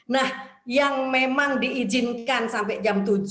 nah yang memang diizinkan sampai jam tujuh